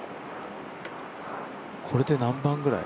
これで何番ぐらい？